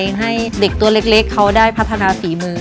ให้เด็กตัวเล็กเขาได้พัฒนาฝีมือ